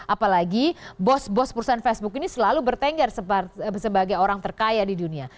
apalagi bos bos perusahaan facebook ini selalu bertengger sebagai orang terkaya di dunia